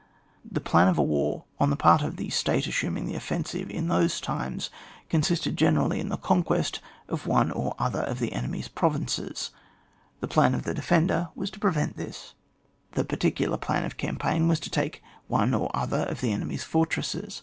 The plan of a war on the part of the state assuming the offensive in those times consisted generally in the conquest of one or other of the enemy's provinces; the plan of the defender was to prevent this; the particular plan of campaign was to take one or other of the enemy's fortresses